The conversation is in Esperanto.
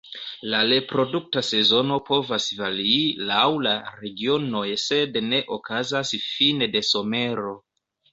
La reprodukta sezono povas varii laŭ la regionoj sed ne okazas fine de somero.